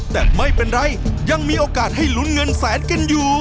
แต่ไม่เป็นไรยังมีโอกาสให้ลุ้นเงินแสนกันอยู่